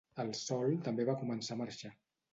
El sol també va començar a marxar.